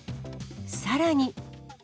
さらに。